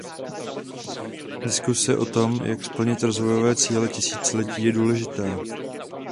Diskuse o tom, jak splnit rozvojové cíle tisíciletí, je důležitá.